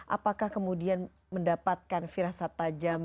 apakah kemudian mendapatkan firasa tajam